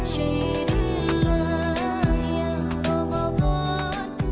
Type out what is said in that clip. syirillah ya ramadan